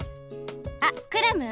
あっクラム！